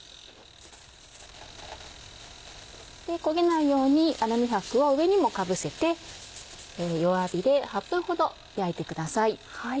焦げないようにアルミ箔を上にもかぶせて弱火で８分ほど焼いてください。